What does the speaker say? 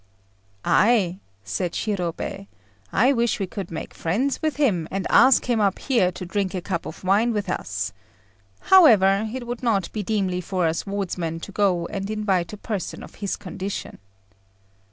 "Ay," said Shirobei, "I wish we could make friends with him, and ask him up here to drink a cup of wine with us. However, it would not be seemly for us wardsmen to go and invite a person of his condition."